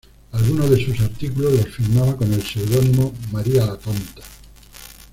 Algunos de sus artículos los firmaba con el seudónimo "María la tonta".